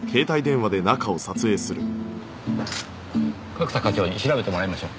角田課長に調べてもらいましょう。